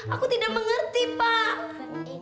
aku tidak mengerti pak